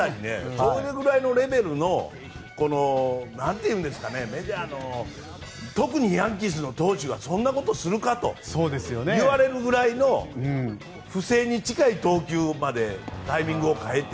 それぐらいのレベルのメジャーの特にヤンキースの投手はそんなことするか？と言われるぐらいの不正に近い投球までタイミングを変えて。